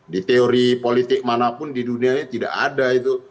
di teori politik manapun di dunia ini tidak ada itu